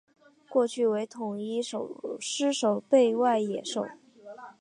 过去为统一狮守备外野手。